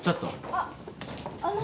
あっあの。